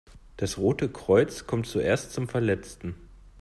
Das Rote Kreuz kommt zuerst zum Verletzten.